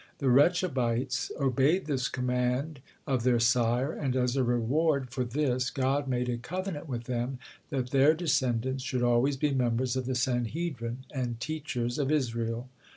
The Rechabites obeyed this command of their sire, and as a reward for this, God made a covenant with them that their descendants should always be members of the Sanhedrin, and teachers of Israel.